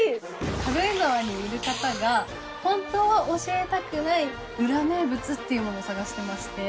軽井沢にいる方が本当は教えたくない裏名物っていうものを探してまして。